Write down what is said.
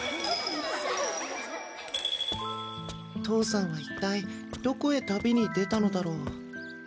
父さんは一体どこへ旅に出たのだろう？